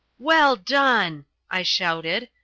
"Well done," I shouted.